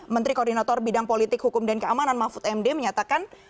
menteri koordinator bidang politik hukum dan keamanan mahfud md menyatakan